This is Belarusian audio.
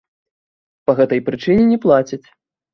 Па гэтай прычыне не плаціць.